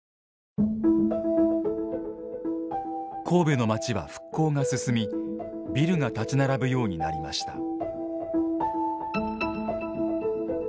神戸の街は復興が進みビルが立ち並ぶようになりました。